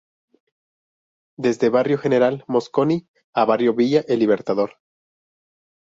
Desde barrio General Mosconi a barrio Villa El Libertador.